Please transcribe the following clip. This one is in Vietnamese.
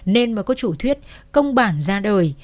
nên mà có chủ thuyết công bản ra đời